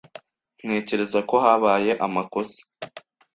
Ntekereza ko habaye amakosa.